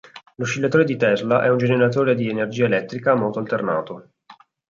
L'oscillatore di Tesla è un generatore di energia elettrica a moto alternato.